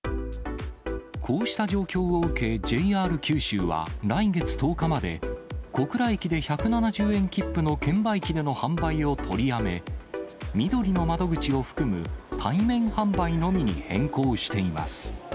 こうした状況を受け、ＪＲ九州は来月１０日まで、小倉駅で１７０円切符の券売機での販売を取りやめ、みどりの窓口を含む対面販売のみに変更しています。